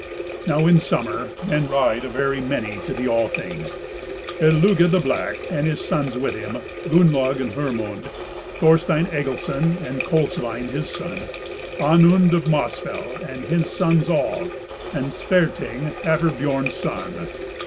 Now in summer men ride a very many to the Althing: Illugi the Blacky and his sons with him, Gunnlaug and Hermund; Thorstein Egilson and Kolsvein his son; Onund, of Mossfell, and his sons all, and Sverting, Hafr Biorn's son.